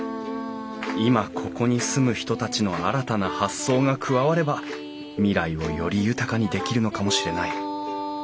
今ここに住む人たちの新たな発想が加われば未来をより豊かにできるのかもしれない。